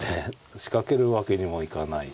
仕掛けるわけにもいかない。